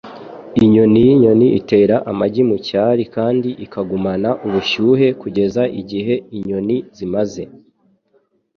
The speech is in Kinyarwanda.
Inyoni y'inyoni itera amagi mu cyari kandi ikagumana ubushyuhe kugeza igihe inyoni zimaze.